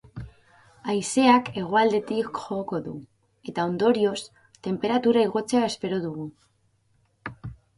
Haizeak hegoaldetik joko du, eta, ondorioz, tenperatura igotzea espero dugu.